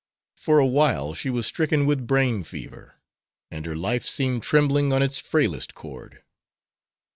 For awhile she was stricken with brain fever, and her life seemed trembling on its frailest cord.